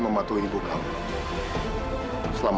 buat ayah geli sepanjang jam